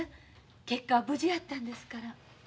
結果は無事やったんですから。